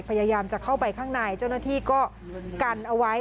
พยายามจะเข้าไปข้างในเจ้าหน้าที่ก็กันเอาไว้